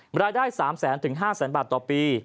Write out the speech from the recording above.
บรายได้๓๐๐๐๐๐บาทถึง๕๐๐๐๐๐บาทต่อปี